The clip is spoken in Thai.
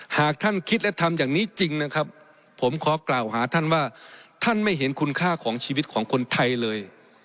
หากท่านคิดและทำอย่างนี้จริงนะครับผมขอกล่าวหาท่านว่าท่านไม่เห็นคุณค่าของชีวิตของคนไทยเลย